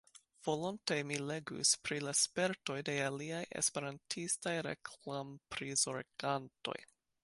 Volonte mi legus pri la spertoj de aliaj esperantistaj reklam-prizorgantoj.